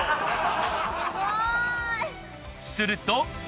すると。